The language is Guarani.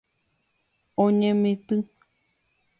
Oñemitỹ.